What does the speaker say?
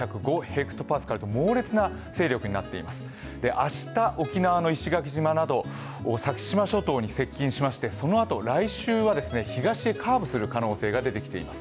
明日、沖縄の石垣島など先島諸島に接近しまして、そのあと来週は東へカーブする可能性が出てきています。